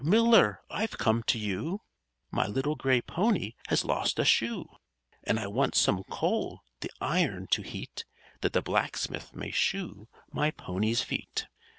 Miller! I've come to you; My little gray pony has lost a shoe, And I want some coal the iron to heat, That the blacksmith may shoe my pony's feet_."